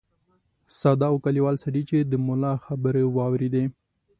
ساده او کلیوال سړي چې د ملا خبرې واورېدې.